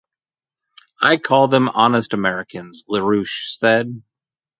"I call them honest Americans", LaRouche said.